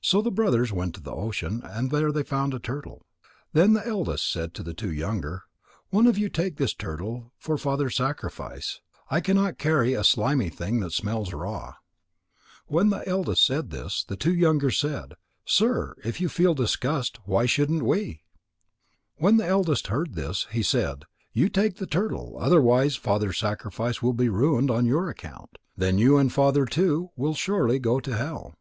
So the brothers went to the ocean and there they found a turtle. Then the eldest said to the two younger: "One of you take this turtle for Father's sacrifice. I cannot carry a slimy thing that smells raw." But when the eldest said this, the two younger said: "Sir, if you feel disgust, why shouldn't we?" When the eldest heard this, he said: "You take the turtle, otherwise Father's sacrifice will be ruined on your account. Then you and Father too will surely go to hell."